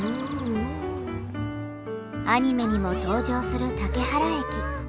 アニメにも登場する竹原駅。